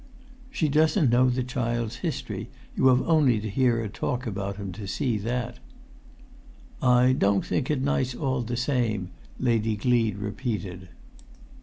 "She doesn't know the child's history; you have only to hear her talk about him to see that." "I don't think it nice, all the same," Lady Gleed repeated.